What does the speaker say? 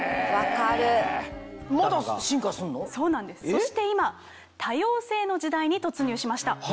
そして今多様性の時代に突入しました。